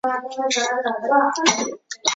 巨齿西南花楸为蔷薇科花楸属下的一个变种。